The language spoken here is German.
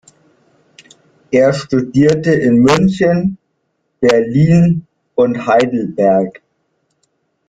Er studierte in München, Berlin und Heidelberg.